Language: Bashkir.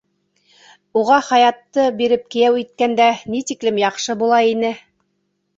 Уға Хаятты биреп кейәү иткәндә, ни тиклем яҡшы була ине.